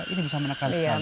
ini bisa menekan sekali